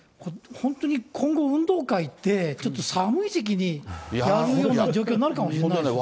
本当に今後、運動会って、ちょっと寒い時期にやるような状況になるかもしれないですね。